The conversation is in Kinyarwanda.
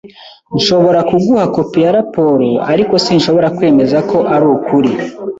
Nshobora kuguha kopi ya raporo, ariko sinshobora kwemeza ko ari ukuri.